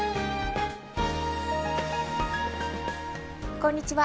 こんにちは。